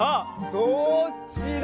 どっちだ？